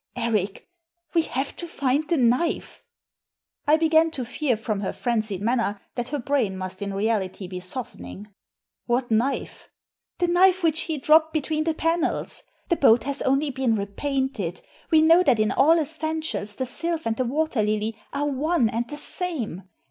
Eric, we have to find the knife." I began to fear, from her frenzied manner, that her brain must in reality be softening. "What knife?" " The knife which he dropped between the panels. The boat has only been repainted. We know that in all essentials the Sylph and the WcUer Lily are one and the same.